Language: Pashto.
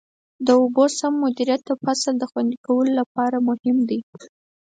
د اوبو سم مدیریت د فصل د خوندي کولو لپاره مهم دی.